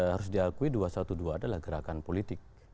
harus diakui dua satu dua adalah gerakan politik